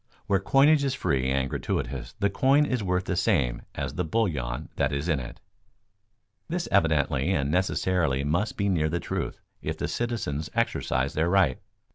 Where coinage is free and gratuitous the coin is worth the same as the bullion that is in it. This evidently and necessarily must be near the truth if the citizens exercise their right.